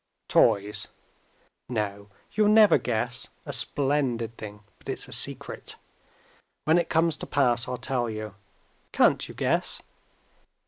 "Toys?" "No. You'll never guess. A splendid thing; but it's a secret! When it comes to pass I'll tell you. Can't you guess!"